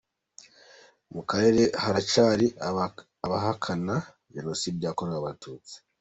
Mu karere haracyari abahakana Jenoside yakorewe Abatutsi.